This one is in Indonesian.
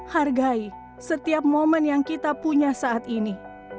hargai setiap momen yang kita punya saat ini